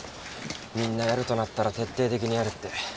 みんなやるとなったら徹底的にやるって。